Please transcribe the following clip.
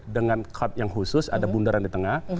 dengan card yang khusus ada bundaran di tengah